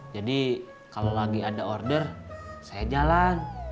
jadi kalau lagi ada order saya jalan